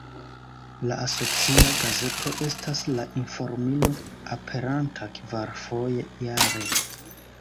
La asocia gazeto estas ""La informilo"", aperanta kvarfoje jare.